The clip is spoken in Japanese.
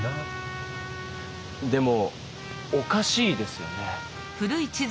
でもおかしいですよね。